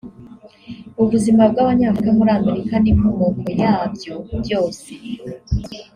ubuzima bw’Abanyafurika muri Amerika n’inkomoko yabyo byose